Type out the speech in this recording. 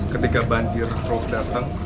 ketika banjir rok datang